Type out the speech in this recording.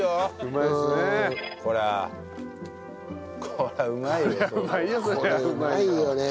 これうまいよね。